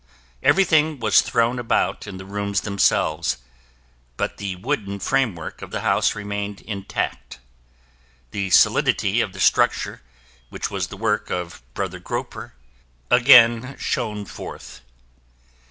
Everything was thrown about in the rooms themselves, but the wooden framework of the house remained intact. The solidity of the structure which was the work of Brother Gropper again shone forth.